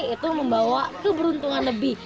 itu membawa keberuntungan lebih